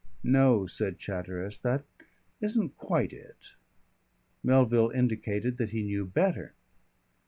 "No," said Chatteris, "that isn't quite it." Melville indicated that he knew better.